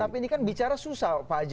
tapi ini kan bicara susah pak haji